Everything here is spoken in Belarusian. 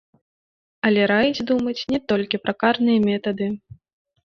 Але раіць думаць не толькі пра карныя метады.